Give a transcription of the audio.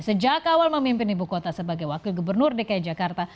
sejak awal memimpin ibu kota sebagai wakil gubernur dki jakarta